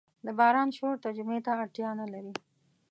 د باران شور ترجمې ته اړتیا نه لري.